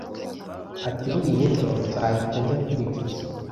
ati buriya ejo nzahita njya kwicuza